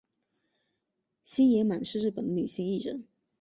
星野满是日本的女性艺人。